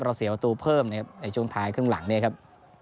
เสียประตูเพิ่มนะครับในช่วงท้ายครึ่งหลังเนี่ยครับ